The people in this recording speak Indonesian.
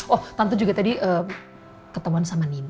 oh tante juga tadi ketemuan sama nina